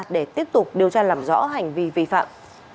để tiếp tục điều tra làm rõ hành vi vi phạm